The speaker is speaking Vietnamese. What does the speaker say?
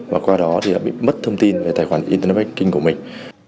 và qua đó thì đã bị mất thông tin về tài khoản internet của mình